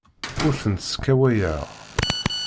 Ur tent-sskawayeɣ.